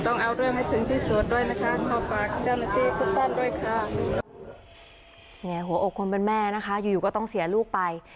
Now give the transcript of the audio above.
หัวอกคนเป็นแม่นะคะอยู่อยู่ก็ต้องเสียลูกไป